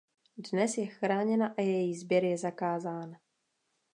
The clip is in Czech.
Dnes je chráněná a její sběr je zakázán.